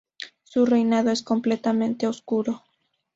Su reinado es completamente oscuro.